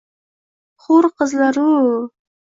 — Hur qizlar-u-u-u!..